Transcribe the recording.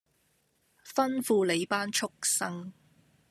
吩咐你班畜牲